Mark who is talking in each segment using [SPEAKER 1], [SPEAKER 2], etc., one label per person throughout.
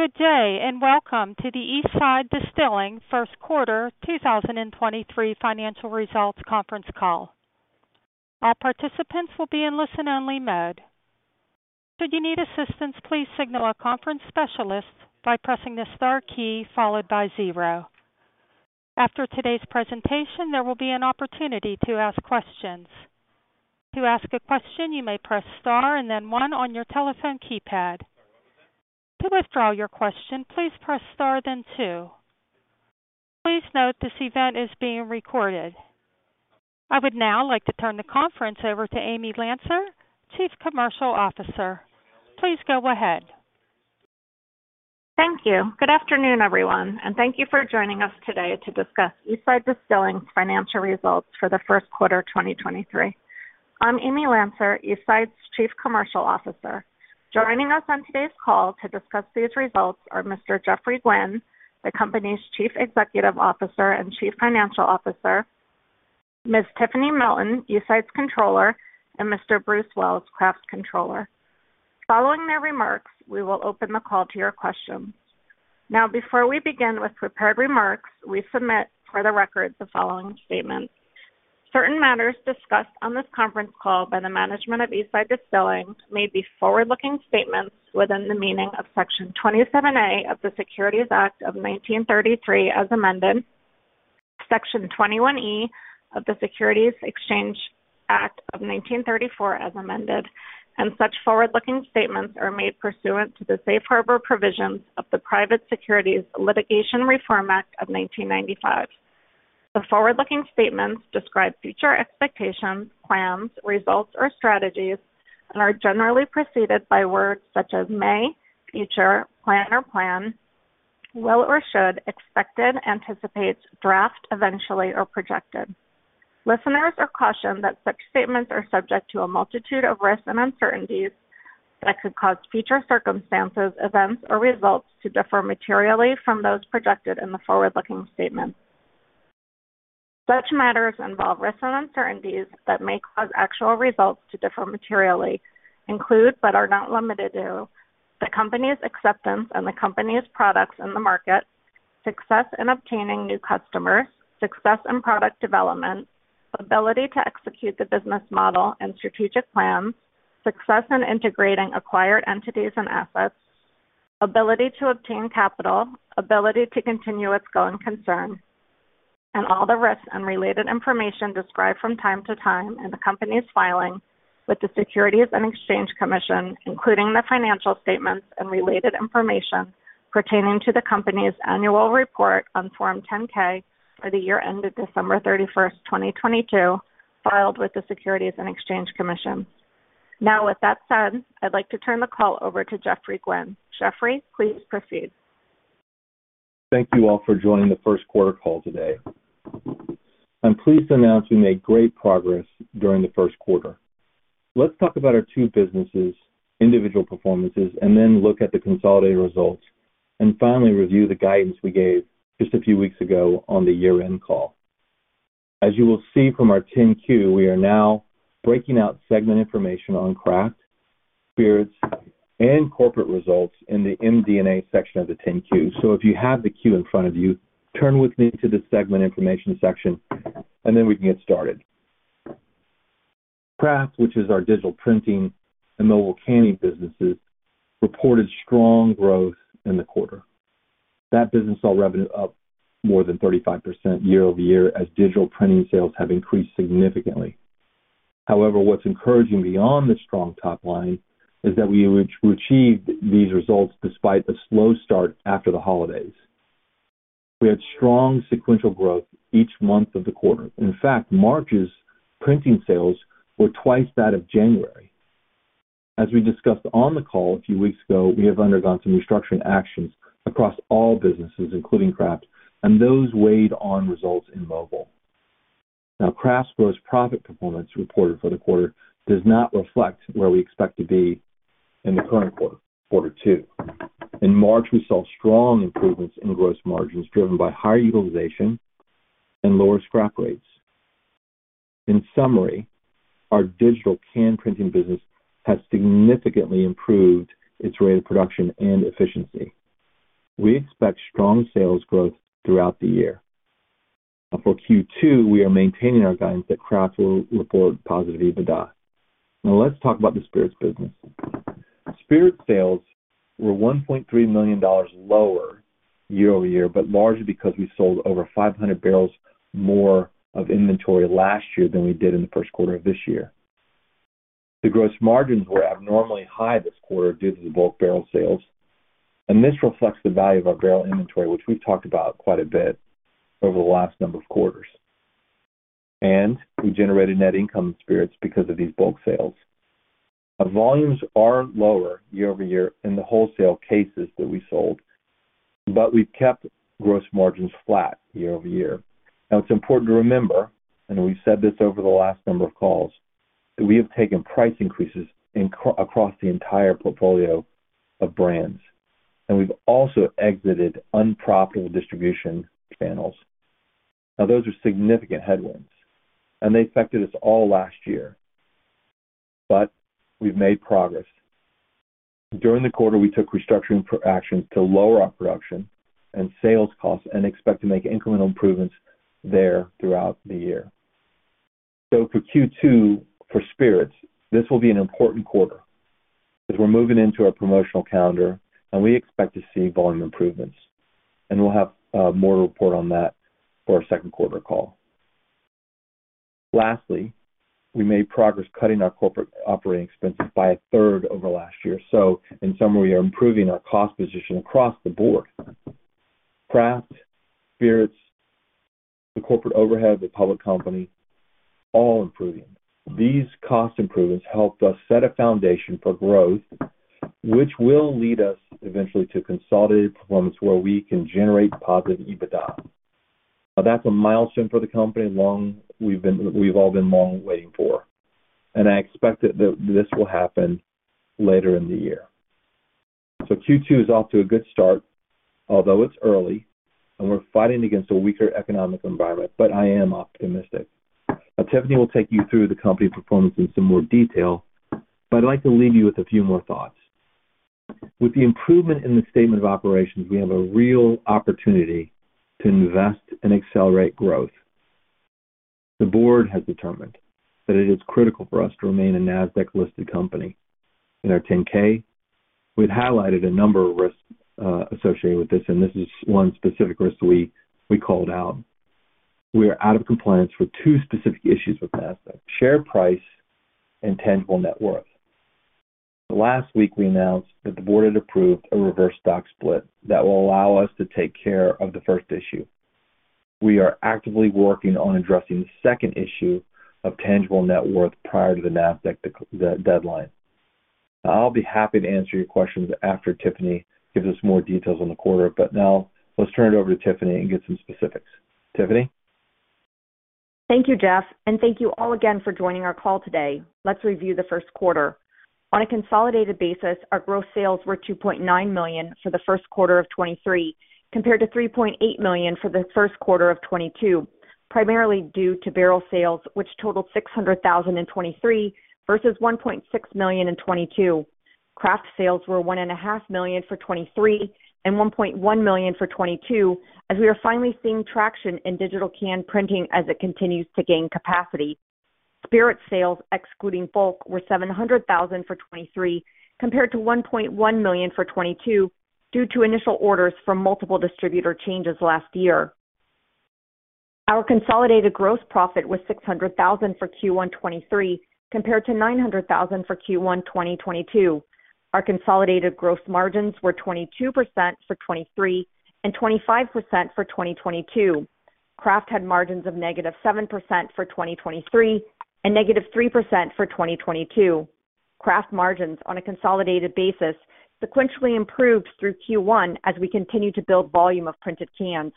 [SPEAKER 1] Good day. Welcome to the Eastside Distilling first quarter 2023 financial results conference call. All participants will be in listen-only mode. Should you need assistance, please signal a conference specialist by pressing the star key followed by zero. After today's presentation, there will be an opportunity to ask questions. To ask a question, you may press star and then one on your telephone keypad. To withdraw your question, please press star then two. Please note this event is being recorded. I would now like to turn the conference over to Amy Lancer, Chief Commercial Officer. Please go ahead.
[SPEAKER 2] Thank you. Good afternoon, everyone, thank you for joining us today to discuss Eastside Distilling's financial results for the first quarter of 2023. I'm Amy Lancer, Eastside's Chief Commercial Officer. Joining us on today's call to discuss these results are Mr. Geoffrey Gwin, the company's Chief Executive Officer and Chief Financial Officer, Ms. Tiffany Milton, Eastside's Controller, and Mr. Bruce Wells, Craft's Controller. Following their remarks, we will open the call to your questions. Before we begin with prepared remarks, we submit for the record the following statements. Certain matters discussed on this conference call by the management of Eastside Distilling may be forward-looking statements within the meaning of Section 27A of the Securities Act of 1933 as amended, Section 21E of the Securities Exchange Act of 1934 as amended, and such forward-looking statements are made pursuant to the safe harbor provisions of the Private Securities Litigation Reform Act of 1995. The forward-looking statements describe future expectations, plans, results, or strategies and are generally preceded by words such as may, future, plan or plan, will or should, expected, anticipates, draft, eventually, or projected. Listeners are cautioned that such statements are subject to a multitude of risks and uncertainties that could cause future circumstances, events, or results to differ materially from those projected in the forward-looking statements. Such matters involve risks and uncertainties that may cause actual results to differ materially. Include, but are not limited to, the company's acceptance and the company's products in the market, success in obtaining new customers, success in product development, ability to execute the business model and strategic plans, success in integrating acquired entities and assets, ability to obtain capital, ability to continue its going concern, and all the risks and related information described from time to time in the company's filing with the Securities and Exchange Commission, including the financial statements and related information pertaining to the company's annual report on Form 10-K for the year ended December 31, 2022, filed with the Securities and Exchange Commission. With that said, I'd like to turn the call over to Geoffrey Gwin. Geoffrey, please proceed.
[SPEAKER 3] Thank you all for joining the first quarter call today. I'm pleased to announce we made great progress during the first quarter. Let's talk about our two businesses' individual performances, and then look at the consolidated results, and finally review the guidance we gave just a few weeks ago on the year-end call. As you will see from our 10-Q, we are now breaking out segment information on Craft, Spirits, and corporate results in the MD&A section of the 10-Q. If you have the Q in front of you, turn with me to the segment information section, and then we can get started. Craft, which is our digital printing and mobile canning businesses, reported strong growth in the quarter. That business saw revenue up more than 35% year-over-year as digital printing sales have increased significantly. What's encouraging beyond the strong top line is that we achieved these results despite a slow start after the holidays. We had strong sequential growth each month of the quarter. In fact, March's printing sales were twice that of January. As we discussed on the call a few weeks ago, we have undergone some restructuring actions across all businesses, including Craft, and those weighed on results in mobile. Craft's gross profit performance reported for the quarter does not reflect where we expect to be in the current quarter two. In March, we saw strong improvements in gross margins driven by higher utilization and lower scrap rates. In summary, our digital can printing business has significantly improved its rate of production and efficiency. We expect strong sales growth throughout the year. For Q two, we are maintaining our guidance that Craft will report positive EBITDA. Let's talk about the Spirits business. Spirits sales were $1.3 million lower year-over-year, largely because we sold over 500 barrels more of inventory last year than we did in the first quarter of this year. The gross margins were abnormally high this quarter due to the bulk barrel sales, this reflects the value of our barrel inventory, which we've talked about quite a bit over the last number of quarters. We generated net income in Spirits because of these bulk sales. Our volumes are lower year-over-year in the wholesale cases that we sold, we've kept gross margins flat year-over-year. It's important to remember, we've said this over the last number of calls, that we have taken price increases across the entire portfolio of brands, we've also exited unprofitable distribution channels. Those are significant headwinds, and they affected us all last year. We've made progress. During the quarter, we took restructuring actions to lower our production and sales costs and expect to make incremental improvements there throughout the year. For Q2, for spirits, this will be an important quarter as we're moving into our promotional calendar and we expect to see volume improvements, and we'll have more to report on that for our second quarter call. Lastly, we made progress cutting our corporate operating expenses by a third over last year. In summary, we are improving our cost position across the board. Craft, spirits, the corporate overhead, the public company, all improving. These cost improvements helped us set a foundation for growth, which will lead us eventually to consolidated performance where we can generate positive EBITDA. That's a milestone for the company we've all been long waiting for, I expect that this will happen later in the year. Q2 is off to a good start, although it's early and we're fighting against a weaker economic environment. I am optimistic. Tiffany will take you through the company performance in some more detail. I'd like to leave you with a few more thoughts. With the improvement in the statement of operations, we have a real opportunity to invest and accelerate growth. The board has determined that it is critical for us to remain a Nasdaq-listed company. In our 10-K, we've highlighted a number of risks associated with this. This is one specific risk that we called out. We are out of compliance with two specific issues with Nasdaq: share price and tangible net worth. Last week, we announced that the board had approved a reverse stock split that will allow us to take care of the first issue. We are actively working on addressing the second issue of tangible net worth prior to the Nasdaq de-deadline. I'll be happy to answer your questions after Tiffany gives us more details on the quarter, but now let's turn it over to Tiffany and get some specifics. Tiffany.
[SPEAKER 4] Thank you, Jeff, thank you all again for joining our call today. Let's review the first quarter. On a consolidated basis, our gross sales were $2.9 million for the first quarter of 2023, compared to $3.8 million for the first quarter of 2022, primarily due to barrel sales, which totaled $600,000 in 2023 versus $1.6 million in 2022. Craft sales were one and a half million for 2023 and $1.1 million for 2022, as we are finally seeing traction in digital can printing as it continues to gain capacity. Spirit sales, excluding bulk, were $700,000 for 2023, compared to $1.1 million for 2022 due to initial orders from multiple distributor changes last year. Our consolidated gross profit was $600,000 for Q1 2023, compared to $900,000 for Q1 2022.
[SPEAKER 5] Our consolidated gross margins were 22% for 2023 and 25% for 2022. Craft had margins of -7% for 2023 and -3% for 2022. Craft margins on a consolidated basis sequentially improved through Q1 as we continue to build volume of printed cans.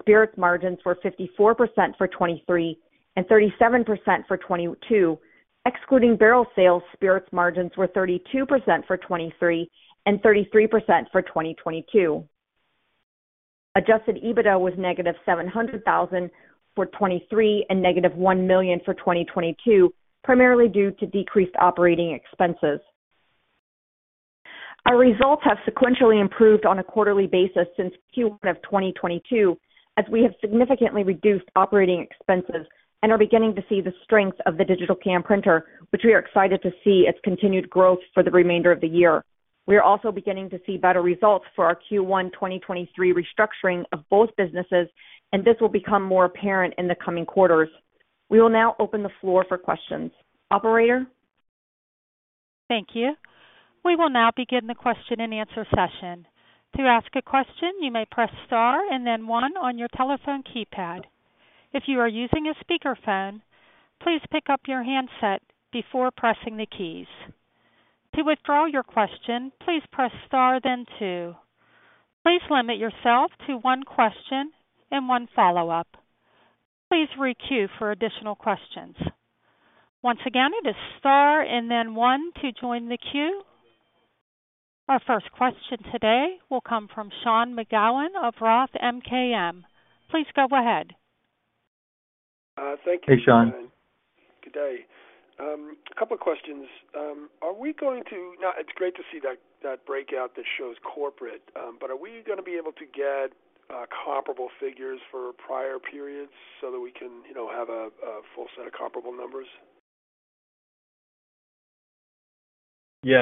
[SPEAKER 5] Spirits margins were 54% for 2023 and 37% for 2022. Excluding barrel sales, spirits margins were 32% for 2023 and 33% for 2022. Adjusted EBITDA was -$700,000 for 2023 and -$1 million for 2022, primarily due to decreased operating expenses. Our results have sequentially improved on a quarterly basis since Q1 of 2022 as we have significantly reduced operating expenses and are beginning to see the strength of the digital can printer, which we are excited to see its continued growth for the remainder of the year. We are also beginning to see better results for our Q1 2020 2023 restructuring of both businesses. This will become more apparent in the coming quarters. We will now open the floor for questions. Operator.
[SPEAKER 1] Thank you. We will now begin the question and answer session. To ask a question, you may press star and then one on your telephone keypad. If you are using a speakerphone, please pick up your handset before pressing the keys. To withdraw your question, please press star then two. Please limit yourself to one question and one follow-up. Please re-queue for additional questions. Once again, it is star and then one to join the queue. Our first question today will come from Sean McGowan of Roth MKM. Please go ahead.
[SPEAKER 3] Hey, Sean.
[SPEAKER 6] Good day. A couple of questions. Now, it's great to see that breakout that shows corporate, but are we gonna be able to get comparable figures for prior periods so that we can, you know, have a full set of comparable numbers?
[SPEAKER 3] This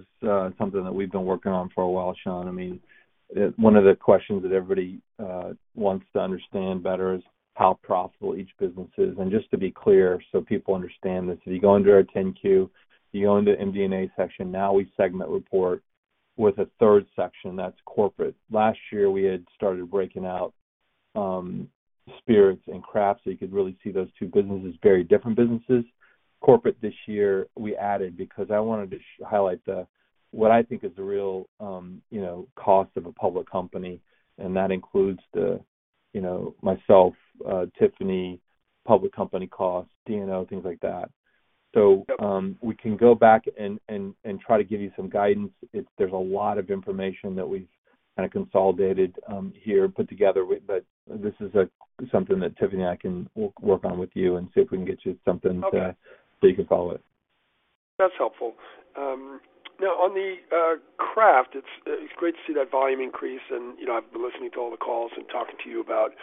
[SPEAKER 3] is something that we've been working on for a while, Sean. I mean, one of the questions that everybody wants to understand better is how profitable each business is. Just to be clear so people understand this, if you go under our 10-Q, if you go under MD&A section, now we segment report with a third section that's corporate. Last year, we had started breaking out Spirits and Crafts, so you could really see those two businesses, very different businesses. Corporate this year, we added because I wanted to highlight the, what I think is the real, you know, cost of a public company, and that includes the, you know, myself, Tiffany, public company costs, D&O, things like that. We can go back and try to give you some guidance. There's a lot of information that we've kinda consolidated here, put together with. This is something that Tiffany and I can work on with you and see if we can get you something.
[SPEAKER 6] Okay.
[SPEAKER 3] You can follow it.
[SPEAKER 6] That's helpful. Now on the Craft, it's great to see that volume increase and, you know, I've been listening to all the calls and talking to you about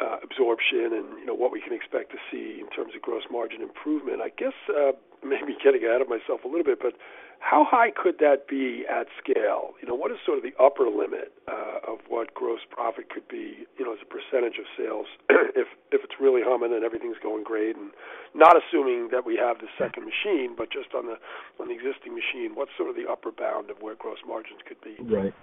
[SPEAKER 6] absorption and, you know, what we can expect to see in terms of gross margin improvement. I guess maybe getting ahead of myself a little bit, but how high could that be at scale? You know, what is sort of the upper limit of what gross profit could be, you know, as a percentage of sales if it's really humming and everything's going great? Not assuming that we have the second machine, but just on the, on the existing machine, what's sort of the upper bound of where gross margins could be?
[SPEAKER 3] Right.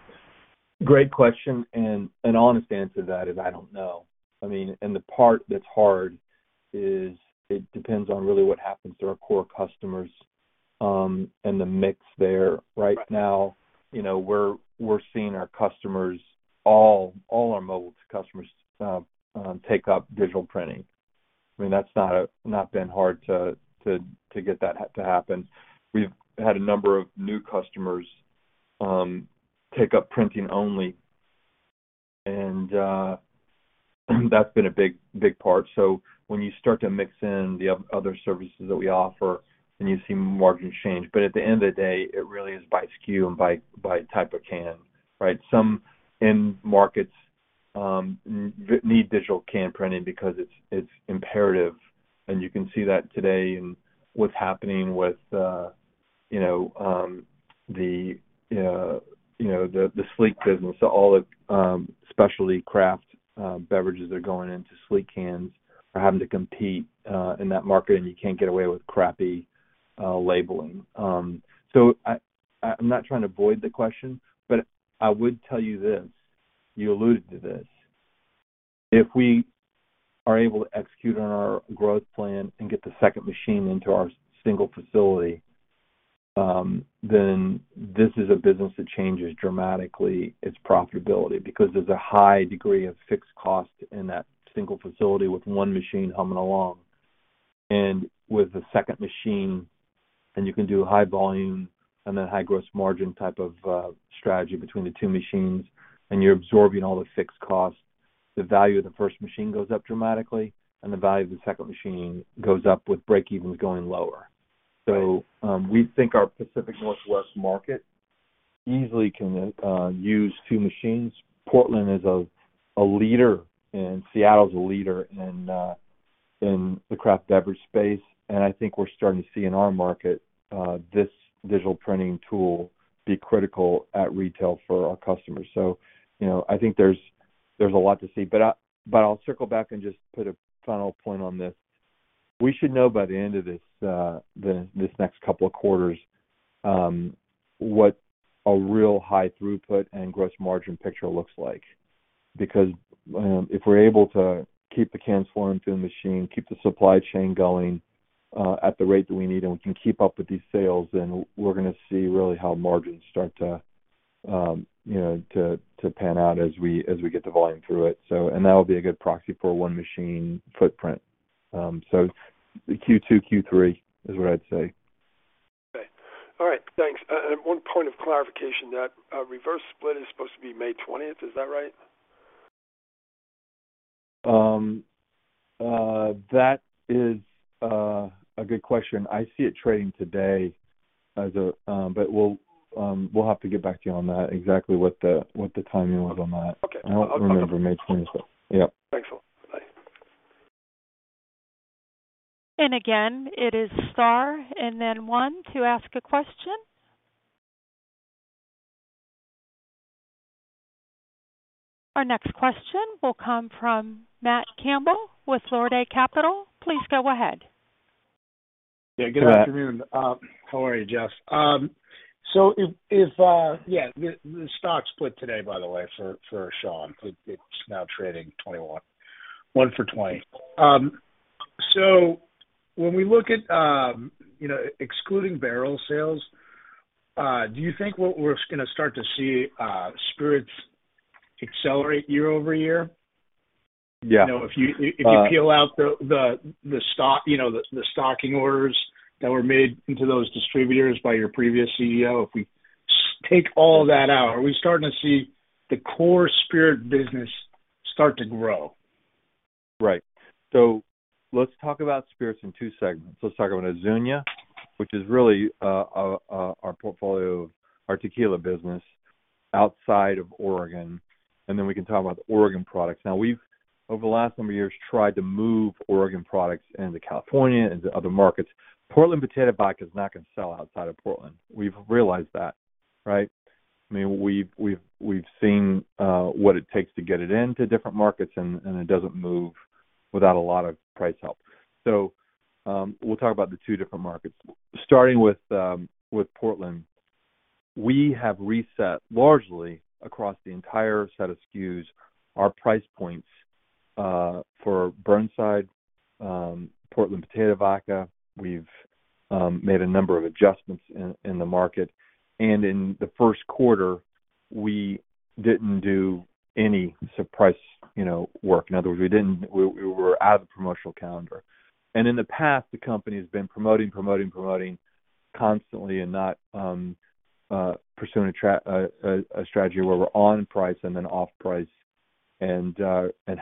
[SPEAKER 3] Great question, an honest answer to that is I don't know. I mean, the part that's hard is it depends on really what happens to our core customers, and the mix there.
[SPEAKER 6] Right.
[SPEAKER 3] Right now, we're seeing our customers, all our mobile customers, take up digital printing. I mean, that's not been hard to get that to happen. We've had a number of new customers, take up printing only, and that's been a big part. When you start to mix in the other services that we offer, then you see margins change. But at the end of the day, it really is by SKU and by type of can, right? Some end markets need digital can printing because it's imperative, and you can see that today in what's happening with the sleek business. All the specialty craft beverages are going into sleek cans are having to compete in that market, and you can't get away with crappy labeling. I'm not trying to avoid the question, but I would tell you this, you alluded to this, if we are able to execute on our growth plan and get the second machine into our single facility, then this is a business that changes dramatically its profitability because there's a high degree of fixed cost in that single facility with one machine humming along. With the second machine, and you can do high volume and a high gross margin type of strategy between the two machines, and you're absorbing all the fixed costs, the value of the first machine goes up dramatically, and the value of the second machine goes up with break-evens going lower. We think our Pacific Northwest market easily can use two machines. Portland is a leader, and Seattle's a leader in the craft beverage space, and I think we're starting to see in our market this digital printing tool be critical at retail for our customers. You know, I think there's a lot to see. I'll circle back and just put a final point on this. We should know by the end of this next couple of quarters what a real high throughput and gross margin picture looks like. If we're able to keep the cans flowing through the machine, keep the supply chain going at the rate that we need, and we can keep up with these sales, then we're gonna see really how margins start to, you know, pan out as we get the volume through it. That'll be a good proxy for a one machine footprint. Q2, Q3 is what I'd say.
[SPEAKER 6] Okay. All right. Thanks. One point of clarification, that reverse split is supposed to be May 20th, is that right?
[SPEAKER 3] That is a good question. I see it trading today as a. We'll have to get back to you on that, exactly what the, what the timing was on that.
[SPEAKER 6] Okay.
[SPEAKER 3] I don't remember May twentieth. Yep.
[SPEAKER 6] Thanks a lot. Bye.
[SPEAKER 1] Again, it is star and then one to ask a question. Our next question will come from Matt Campbell with Laridae Capital. Please go ahead.
[SPEAKER 3] Go ahead.
[SPEAKER 4] Yeah, good afternoon. How are you, Jeff? Yeah, the stock split today, by the way, for Sean McGowan. It's now trading 21. 1 for 20. When we look at, you know, excluding barrel sales, do you think what we're gonna start to see spirits accelerate year-over-year?
[SPEAKER 3] Yeah.
[SPEAKER 4] You know, if you peel out the stock, you know, the stocking orders that were made into those distributors by your previous CEO, if we take all that out, are we starting to see the core spirit business start to grow?
[SPEAKER 3] Right. Let's talk about spirits in two segments. Let's talk about Azuñia, which is really our portfolio, our tequila business outside of Oregon, and then we can talk about the Oregon products. We've, over the last number of years, tried to move Oregon products into California, into other markets. Portland Potato Vodka is not gonna sell outside of Portland. We've realized that, right? I mean, we've seen what it takes to get it into different markets, and it doesn't move without a lot of price help. We'll talk about the two different markets. Starting with Portland, we have reset largely across the entire set of SKUs, our price points for Burnside, Portland Potato Vodka. We've made a number of adjustments in the market. In the first quarter, we didn't do any surprise, you know, work. In other words, we were out of the promotional calendar. In the past, the company has been promoting constantly and not pursuing a strategy where we're on price and then off-price and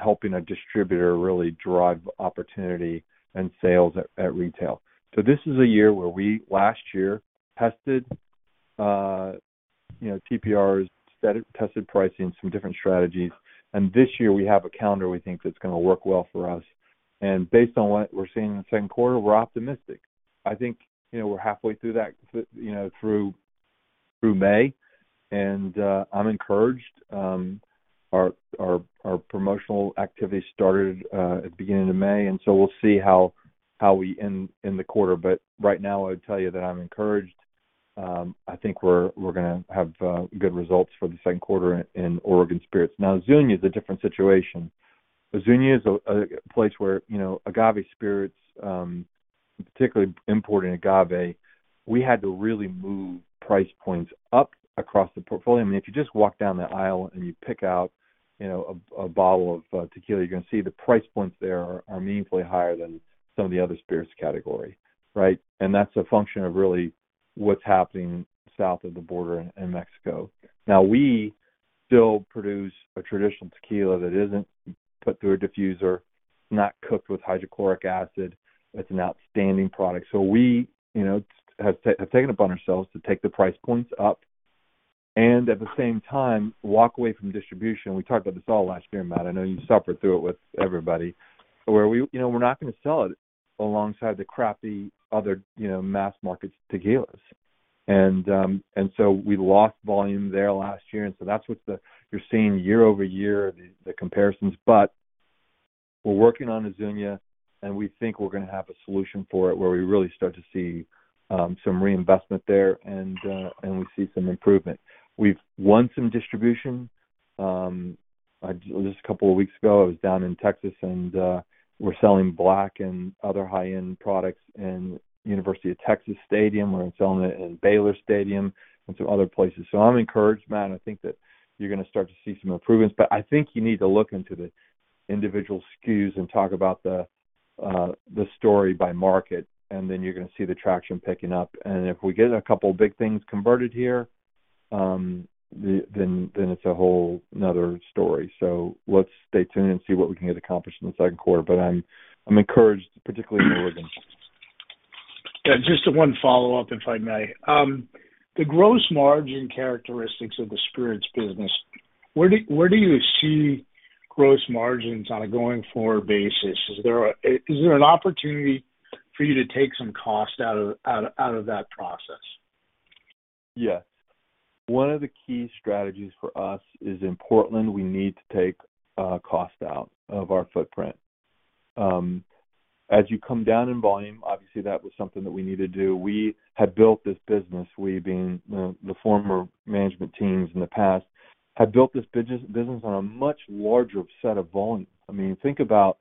[SPEAKER 3] helping a distributor really drive opportunity and sales at retail. This is a year where we, last year, tested, you know, TPRs, tested pricing, some different strategies. This year we have a calendar we think that's gonna work well for us. Based on what we're seeing in the second quarter, we're optimistic. I think, you know, we're halfway through that, you know, through May, and I'm encouraged. Our promotional activity started at the beginning of May. We'll see how we end in the quarter. Right now, I would tell you that I'm encouraged. I think we're gonna have good results for the second quarter in Oregon Spirits. Azuñia is a different situation. Azuñia is a place where, you know, agave spirits, particularly imported agave, we had to really move price points up across the portfolio. I mean, if you just walk down the aisle and you pick out, you know, a bottle of tequila, you're gonna see the price points there are meaningfully higher than some of the other spirits category, right? That's a function of really what's happening south of the border in Mexico. Now, we still produce a traditional tequila that isn't put through a diffuser, it's not cooked with hydrochloric acid. It's an outstanding product. We, you know, have taken upon ourselves to take the price points up and at the same time walk away from distribution. We talked about this all last year, Matt. I know you suffered through it with everybody, where we, you know, we're not gonna sell it alongside the crappy other, you know, mass market tequilas. We lost volume there last year, and so that's what you're seeing year-over-year, the comparisons. We're working on Azuñia, and we think we're gonna have a solution for it where we really start to see some reinvestment there, and we see some improvement. We've won some distribution. Just a couple of weeks ago, I was down in Texas and, we're selling Block and other high-end products in University of Texas Stadium. We're selling it in Baylor Stadium and some other places. I'm encouraged, Matt, I think that you're gonna start to see some improvements, but I think you need to look into the individual SKUs and talk about the story by market, and then you're gonna see the traction picking up. If we get a couple of big things converted here, then it's a whole another story. Let's stay tuned and see what we can get accomplished in the second quarter. I'm encouraged, particularly in Oregon.
[SPEAKER 4] Yeah, just one follow-up, if I may. The gross margin characteristics of the spirits business, where do you see gross margins on a going-forward basis? Is there an opportunity for you to take some cost out of that process?
[SPEAKER 3] Yes. One of the key strategies for us is in Portland, we need to take cost out of our footprint. As you come down in volume, obviously that was something that we need to do. We had built this business, we being the former management teams in the past, had built this business on a much larger set of volume. I mean, think about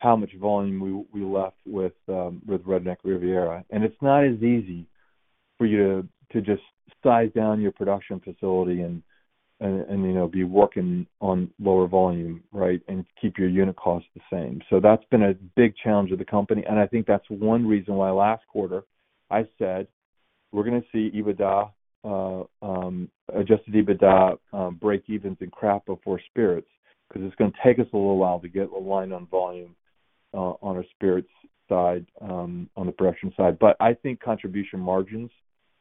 [SPEAKER 3] how much volume we left with Redneck Riviera. It's not as easy for you to just size down your production facility and, you know, be working on lower volume, right? Keep your unit cost the same. That's been a big challenge of the company, and I think that's one reason why last quarter I said we're gonna see EBITDA, adjusted EBITDA, breakevens in craft before spirits, 'cause it's gonna take us a little while to get aligned on volume on our spirits side, on the production side. I think contribution margins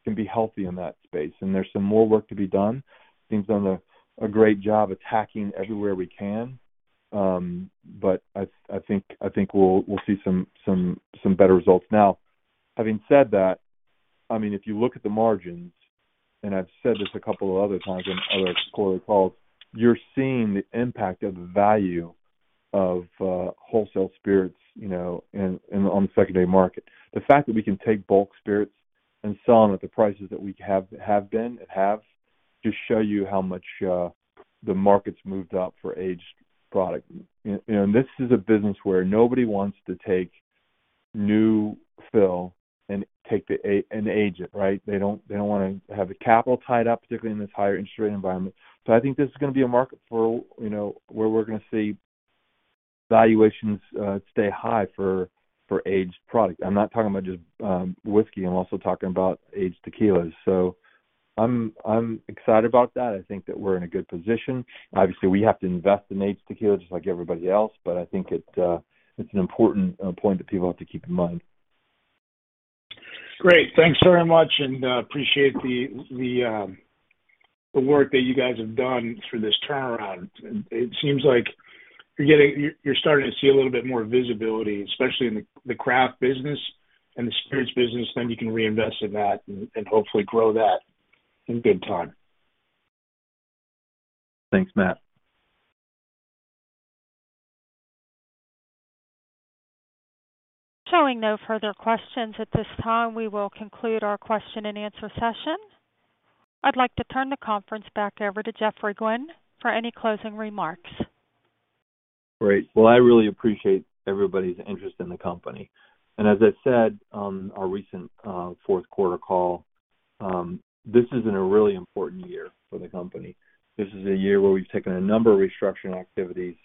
[SPEAKER 3] can be healthy in that space, and there's some more work to be done. The team's done a great job attacking everywhere we can, but I think we'll see some better results. Having said that, I mean, if you look at the margins, and I've said this a couple of other times in other quarterly calls, you're seeing the impact of the value of wholesale spirits, you know, on the secondary market. The fact that we can take bulk spirits and sell them at the prices that we have been at halves, just show you how much the market's moved up for aged product. You know, this is a business where nobody wants to take new fill and take and age it, right? They don't wanna have the capital tied up, particularly in this higher interest rate environment. I think this is gonna be a market for, you know, where we're gonna see valuations stay high for aged product. I'm not talking about just whiskey, I'm also talking about aged tequilas. I'm excited about that. I think that we're in a good position. We have to invest in aged tequila just like everybody else, but I think it's an important point that people have to keep in mind.
[SPEAKER 4] Great. Thanks very much, and appreciate the work that you guys have done through this turnaround. It seems like you're starting to see a little bit more visibility, especially in the craft business and the spirits business, then you can reinvest in that and hopefully grow that in good time.
[SPEAKER 3] Thanks, Matt.
[SPEAKER 1] Showing no further questions at this time, we will conclude our question and answer session. I'd like to turn the conference back over to Geoffrey Gwin for any closing remarks.
[SPEAKER 3] Great. Well, I really appreciate everybody's interest in the company. As I said on our recent fourth quarter call, this has been a really important year for the company. This is a year where we've taken a number of restructuring activities,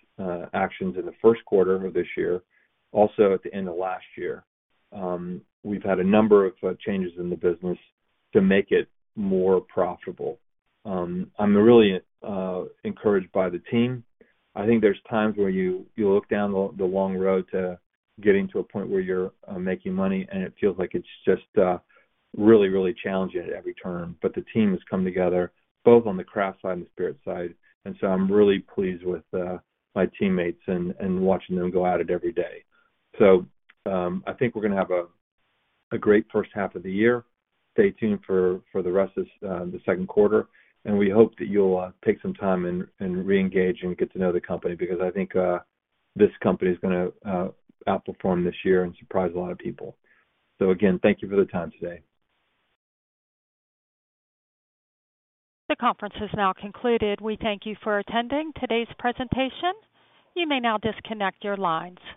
[SPEAKER 3] actions in the first quarter of this year, also at the end of last year. We've had a number of changes in the business to make it more profitable. I'm really encouraged by the team. I think there's times where you look down the long road to getting to a point where you're making money and it feels like it's just really, really challenging at every turn. The team has come together both on the craft side and the spirit side, and so I'm really pleased with my teammates and watching them go at it every day. I think we're gonna have a great first half of the year. Stay tuned for the rest of the second quarter, and we hope that you'll take some time and re-engage and get to know the company because I think this company is gonna outperform this year and surprise a lot of people. Again, thank you for the time today.
[SPEAKER 1] The conference has now concluded. We thank you for attending today's presentation. You may now disconnect your lines.